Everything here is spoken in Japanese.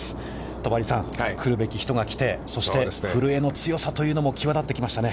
戸張さん、来るべき人が来て、そして、古江の強さというのも際立ってきましたね。